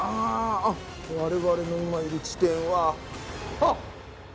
あっ我々の今いる地点はあっ！